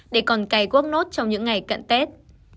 để còn cày quốc nốt trong những ngày cận tết